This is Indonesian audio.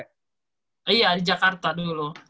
iya di jakarta dulu